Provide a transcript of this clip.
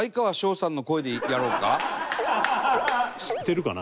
知ってるかな？